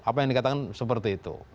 apa yang dikatakan seperti itu